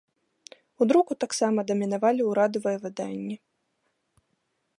У друку таксама дамінавалі ўрадавыя выданні.